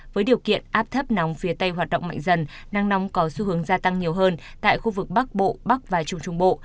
với điều kiện áp thấp nóng phía tây hoạt động mạnh dần năng nóng có xu hướng gia tăng nhiều hơn tại khu vực bắc bộ bắc và trung trung bộ